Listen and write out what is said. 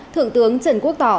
thượng tướng trần quốc tỏ